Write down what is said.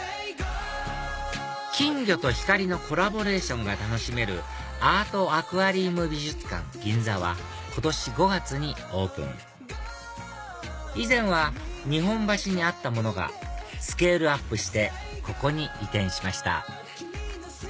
金魚と光のコラボレーションが楽しめるアートアクアリウム美術館ＧＩＮＺＡは今年５月にオープン以前は日本橋にあったものがスケールアップしてここに移転しました